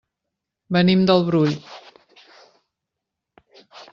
Venim del Brull.